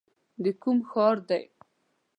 د کوم ښار دی ؟